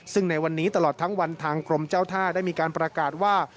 ซึ่งในวันนี้ตลอดทั้งวันทางกรมเจ้าท่าได้มีการประกาศว่า